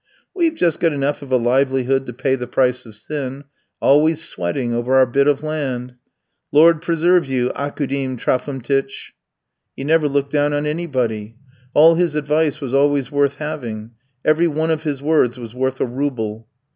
"'We've just got enough of a livelihood to pay the price of sin; always sweating over our bit of land.' "'Lord preserve you, Aukoudim Trophimtych!' "He never looked down on anybody. All his advice was always worth having; every one of his words was worth a rouble.